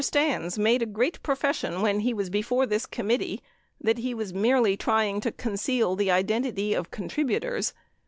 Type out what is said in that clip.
Stans made a great profession when he was before this committee that he was merely trying to conceal the identity of contributors.